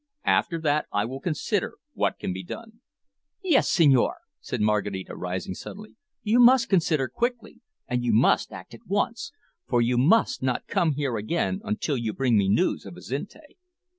After that I will consider what can be done." "Yes, Senhor," said Maraquita, rising suddenly, "you must consider quickly, and you must act at once, for you must not come here again until you bring me news of Azinte."